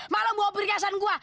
malah bawa perhiasan gue